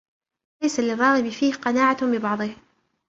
وَلَيْسَ لِلرَّاغِبِ فِيهِ قَنَاعَةٌ بِبَعْضِهِ